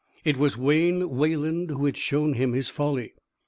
It was Wayne Wayland who had shown him his folly.